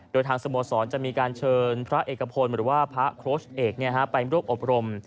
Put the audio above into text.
โดยทางสโมสรจะมีการเชิญพระเอกพลหรือว่าพระโค้ชเอกไปร่วมอบรม